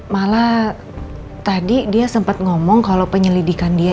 malah tadi dia sempat ngomong kalau penyelidikan dia